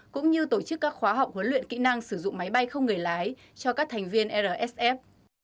cũng như tổ chức các khóa học huấn luyện kỹ năng sử dụng máy bay không người lái cho các thành viên rsf